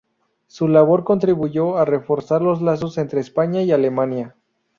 Su labor contribuyó a reforzar los lazos entre España y Alemania.